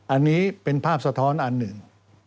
อันนี้เป็นภาพสะท้อนอันหนึ่ง